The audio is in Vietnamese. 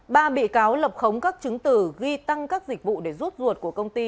ba bị cáo lập khống các chứng tử ghi tăng các dịch vụ để rút ruột của công ty